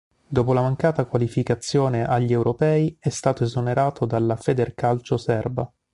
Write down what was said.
Dopo la mancata qualificazione agli europei è stato esonerato dalla Federcalcio serba.